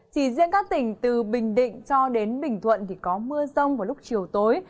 chỉ riêng các tỉnh từ bình định cho đến bình thuận thì có mưa rông vào lúc chiều tối